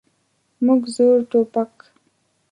موږ زوړ ټوپک.